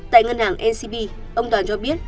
tại ngân hàng ncb ông toàn cho biết